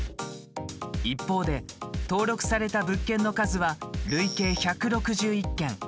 一方で、登録された物件の数は累計１６１軒。